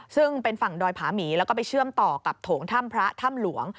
ซึ่งเป็นฝั่งดอยผาหมีแล้วก็ไปเชื่อมต่อกับโถงถ้ำพระถ้ำหลวง